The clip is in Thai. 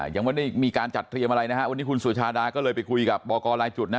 ยังไม่ได้มีการจัดเตรียมอะไรนะฮะวันนี้คุณสุชาดาก็เลยไปคุยกับบอกกรรายจุดนะ